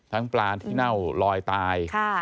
ปลาที่เน่าลอยตาย